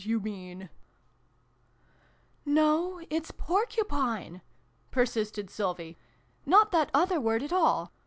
389 " No, it's porcupine" persisted Sylvie. " Not that other word at all.